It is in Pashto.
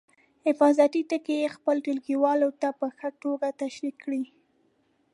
حفاظتي ټکي یې خپلو ټولګیوالو ته په ښه توګه تشریح کړئ.